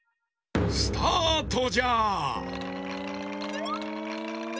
スタートじゃ！